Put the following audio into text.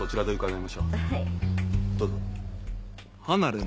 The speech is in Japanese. どうぞ。